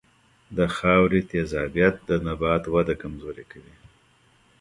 د خاورې تیزابیت د نبات وده کمزورې کوي.